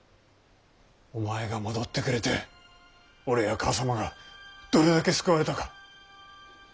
お前が戻ってくれて俺や母さまがどれだけ救われたか。